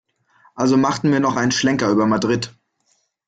Also machten wir noch einen Schlenker über Madrid.